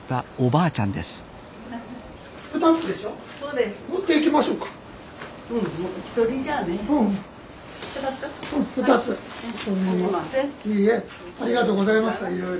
ありがとうございましたいろいろ。